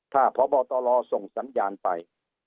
ถ้าพบตรส่งสัญญาณไป